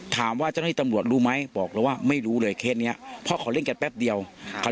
ถามว่าจะให้ตำรวจบอกว่าไม่รู้เนี่ยเพราะก็เค้นได้เล่นแป๊บเดียวนะครับ